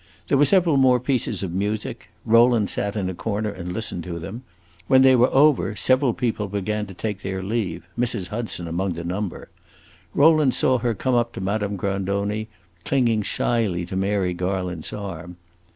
There were several more pieces of music; Rowland sat in a corner and listened to them. When they were over, several people began to take their leave, Mrs. Hudson among the number. Rowland saw her come up to Madame Grandoni, clinging shyly to Mary Garland's arm.